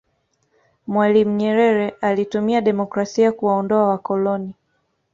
mwalimu nyerere alitumia demokrasia kuwaondoa wakoloni